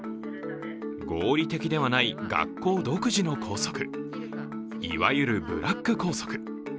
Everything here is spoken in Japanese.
合理的ではない学校独自の校則、いわゆるブラック校則。